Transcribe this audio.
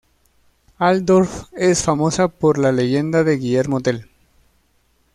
Altdorf es famosa por la leyenda de Guillermo Tell.